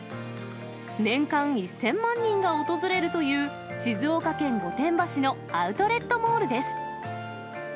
年間１０００万人が訪れるという、静岡県御殿場市のアウトレットモールです。